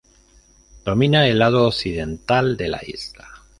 Domina el lado occidental de la isla.